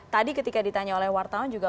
tadi ketika ditanya oleh wartawan juga